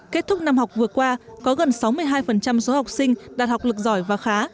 kết thúc năm học vừa qua có gần sáu mươi hai số học sinh đạt học lực giỏi và khá